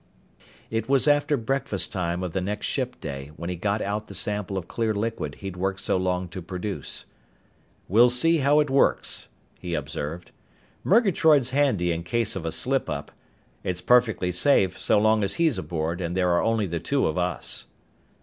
It was after breakfast time of the next ship day when he got out the sample of clear liquid he'd worked so long to produce. "We'll see how it works," he observed. "Murgatroyd's handy in case of a slip up. It's perfectly safe so long as he's aboard and there are only the two of us."